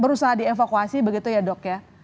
berusaha dievakuasi begitu ya dok ya